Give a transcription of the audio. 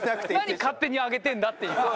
何勝手に上げてんだっていう。